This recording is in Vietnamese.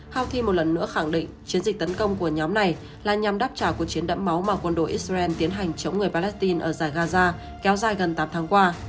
houthi một lần nữa khẳng định chiến dịch tấn công của nhóm này là nhằm đáp trả cuộc chiến đẫm máu mà quân đội israel tiến hành chống người palestine ở giải gaza kéo dài gần tám tháng qua